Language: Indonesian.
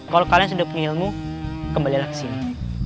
kalau kalian sudah punya ilmu kembalilah ke sini